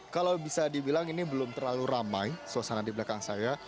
kalau bisa dibilang ini belum terlalu ramai suasana di belakang saya